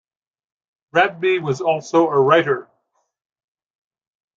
Bratby was also a writer.